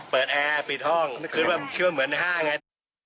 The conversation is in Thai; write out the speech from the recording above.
เปิดแอร์ปิดห้องนึกว่ามันเชื่อมเหมือนห้าไง